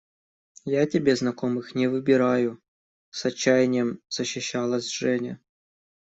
– Я тебе знакомых не выбираю, – с отчаянием защищалась Женя.